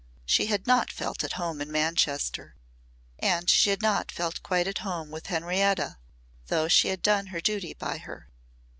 She had not felt at home in Manchester and she had not felt quite at home with Henrietta though she had done her duty by her.